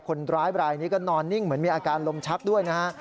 คนร้ายบรายนี้ก็นอนนิ่งเหมือนมีอาการลมชักด้วยนะฮะ